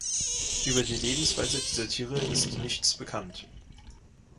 Über die Lebensweise dieser Tiere ist nichts bekannt.